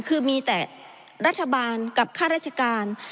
คือมีแต่รัฐบาลกับค่าราชการ